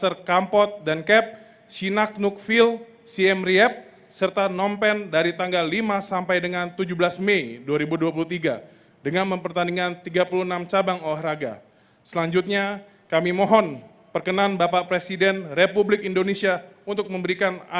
raya kebangsaan indonesia raya